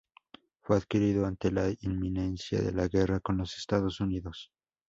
Fue adquirido ante la inminencia de la guerra con los Estados Unidos.